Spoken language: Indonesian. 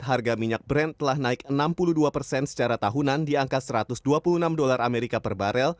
harga minyak brand telah naik enam puluh dua persen secara tahunan di angka satu ratus dua puluh enam dolar amerika per barel